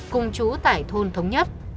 cùng chú tải thôn thống nhất